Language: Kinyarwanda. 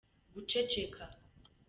guceceka.